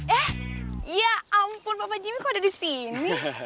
eh ya ampun bapak jimmy kok ada di sini